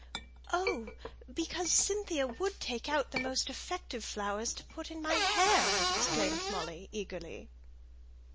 "Oh, because Cynthia would take out the most effective flowers to put in my hair!" exclaimed Molly, eagerly.